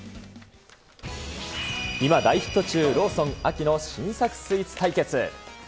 今大ヒット中、ローソン秋の新作スイーツ対決。